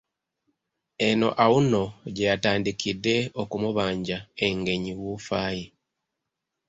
Eno Auno gye yatandikidde okumubanja Engenyi wuufa ye.